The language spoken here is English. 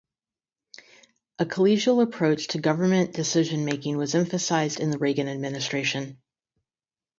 A collegial approach to government decision-making was emphasized in the Reagan administration.